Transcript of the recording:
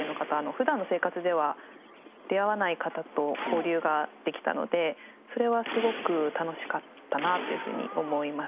普段の生活では出会わない方と交流ができたのでそれはすごく楽しかったなというふうに思います。